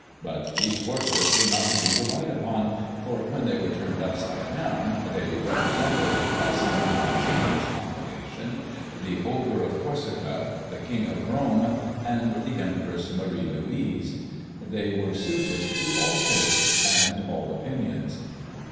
But these portraits were not to be relied upon, for when they were turned upside down, they represented, by some ingenious combination, the Ogre of Corsica, the King of Rome, and the Empress Marie Louise. They were suited to all tastes and all opinions.